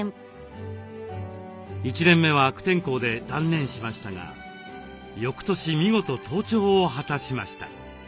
１年目は悪天候で断念しましたが翌年見事登頂を果たしました。